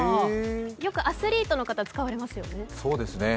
よくアスリートの方、使われますよね。